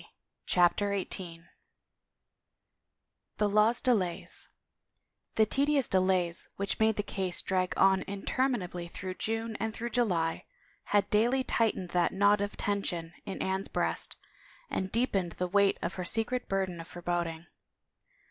192 CHAPTER XVIII THE LAW'S DELAYS M^^^HE tedious delays which made the case drag on M w\ interminably through June and through July ^^^^ had daily tightened that knot of tension in Anne's breast, and deepened the weight of her secret burden of foreboding.